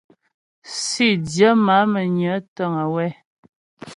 Sǐdyə má'a Mə́nyə təŋ wɛ́.